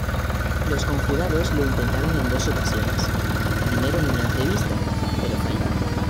Los conjurados lo intentaron en dos ocasiones: primero en una entrevista, pero fallaron.